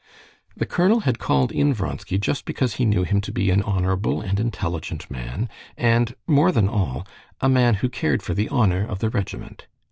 The colonel had called in Vronsky just because he knew him to be an honorable and intelligent man, and, more than all, a man who cared for the honor of the regiment.